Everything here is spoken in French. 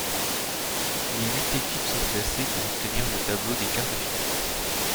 Les huit équipes sont classées pour obtenir le tableau des quarts de finale.